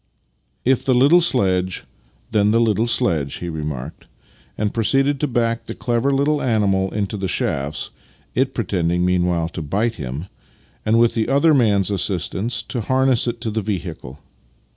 If the little sledge, then the little sledge," he re marked, and proceeded to back the clever little animal into the shafts (it pretending meanwhile to bite him) and, with the other man's assistance, to harness it to the vehicle.